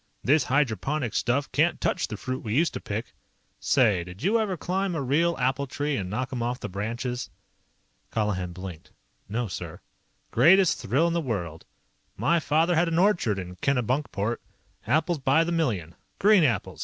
"This hydroponic stuff can't touch the fruit we used to pick. Say, did you ever climb a real apple tree and knock 'em off the branches?" Colihan blinked. "No, sir." "Greatest thrill in the world. My father had an orchard in Kennebunkport. Apples by the million. Green apples.